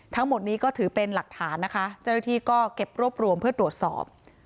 ทั้งหมดนี้ก็ถือเป็นหลักฐานนะคะเจ้าหน้าที่ก็เก็บรวบรวมเพื่อตรวจสอบ